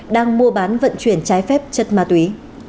đang mua bán vận chuyển trái phép chất ma túy